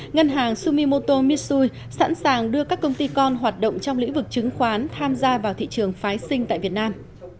ngân hàng sumimoto mitsui sẵn sàng đưa các công ty con hoạt động trong lĩnh vực chứng khoán tham gia vào thị trường phái sinh tại việt nam